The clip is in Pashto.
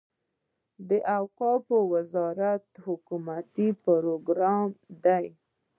د اوقافو وزارت حکومتي پروګرام دی.